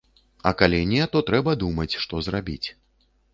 А калі не, то трэба думаць, што зрабіць.